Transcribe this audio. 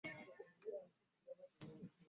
Olina okusaba katonda akuluŋŋamye mu byokola.